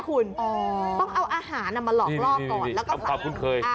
ต้องเอาอาหารมาลอกก่อน